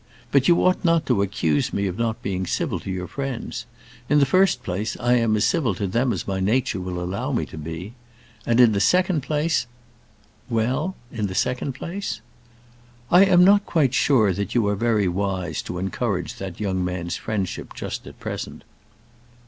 But you ought not to accuse me of not being civil to your friends. In the first place I am as civil to them as my nature will allow me to be. And, in the second place " "Well; in the second place ?" "I am not quite sure that you are very wise to encourage that young man's friendship just at present."